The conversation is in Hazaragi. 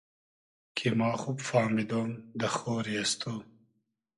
کی ما خوب فامیدۉم دۂ خۉری از تو